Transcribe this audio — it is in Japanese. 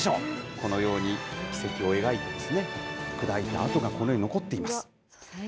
このように軌跡を描いて砕いた跡がこのように残っています。